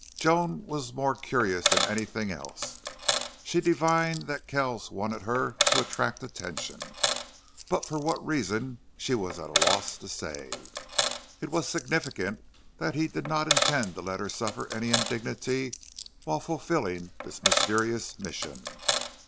Joan was more curious than anything else. She divined that Kells wanted her to attract attention, but for what reason she was at a loss to say. It was significant that he did not intend to let her suffer any indignity while fulfilling this mysterious mission.